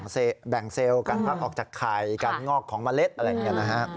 แบ่งเซลล์การพักออกจากไข่การงอกของเมล็ดอะไรอย่างนี้นะฮะ